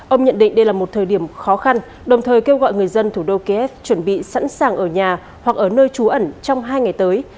ông nhận định đây là một thời điểm khó khăn đồng thời kêu gọi người dân thủ đô kiev chuẩn bị sẵn sàng ở nhà hoặc ở nơi trú ẩn trong hai ngày tới